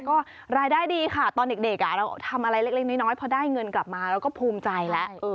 ก็รายได้ดีค่ะตอนเด็กเราทำอะไรเล็กน้อยพอได้เงินกลับมาเราก็ภูมิใจแล้ว